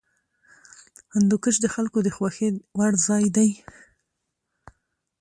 هندوکش د خلکو د خوښې وړ ځای دی.